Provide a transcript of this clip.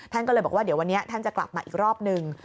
ท่านก็เลยบอกว่าเดี๋ยววันนี้ท่านจะกลับมาอีกรอบหนึ่ง